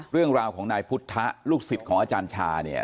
เรื่องราวของนายพุทธลูกศิษย์ของอาจารย์ชาเนี่ย